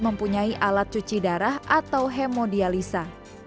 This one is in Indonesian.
mempunyai alat cuci darah atau hemodialisa